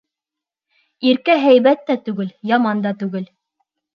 Иркә һәйбәт тә түгел, яман да түгел.